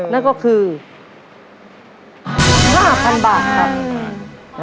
นั่นก็คือห้าพันบาทครับ